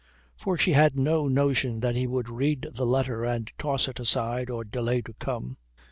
For she had no notion that he would read the letter and toss it aside or delay to come.